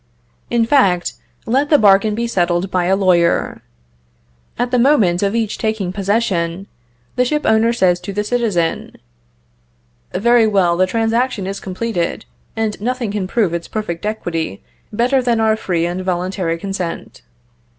In fact, let the bargain be settled by a lawyer. At the moment of each taking possession, the ship owner says to the citizen, "Very well; the transaction is completed, and nothing can prove its perfect equity better than our free and voluntary consent.